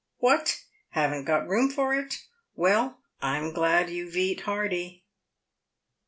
What ! haven't got room for it ! Well, I'm glad you've eat hearty."